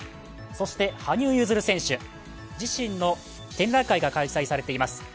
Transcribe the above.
そして羽生結弦選手自身の展覧会が開催されています。